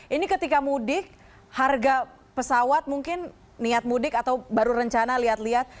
ini ketika mudik harga pesawat mungkin niat mudik atau baru rencana lihat lihat